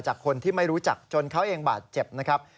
จากคนที่ไม่รู้จักจนเขาเองบาดเจ็บนะครับ